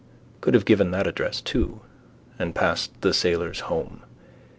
Could have given that address too. And past the sailors' home.